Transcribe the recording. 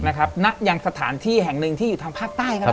นะครับณยังสถานที่แห่งหนึ่งที่อยู่ทางภาคใต้ครับ